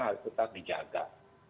harus tetap dijaga